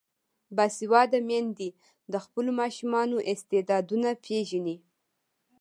باسواده میندې د خپلو ماشومانو استعدادونه پیژني.